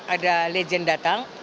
ada legend datang